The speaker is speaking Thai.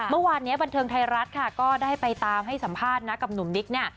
เมื่อวานนี้บันเทิงไทยรัฐค่ะก็ได้ไปตามให้สัมภาษณ์นะกับหนุ่มนิกเนี่ย